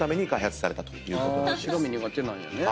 白身苦手なんやね。